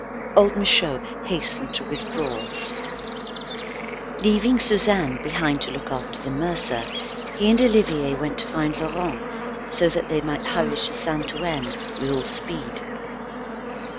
Old Michaud hastened to withdraw. Leaving Suzanne behind to look after the mercer, he and Olivier went to find Laurent, so that they might hurry to Saint Ouen with all speed.